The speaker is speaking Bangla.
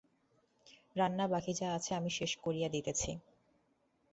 রান্না বাকি যা আছে আমি শেষ করিয়া দিতেছি।